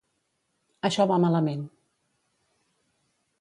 Això va malament.